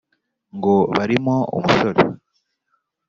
ngo: barimo umusore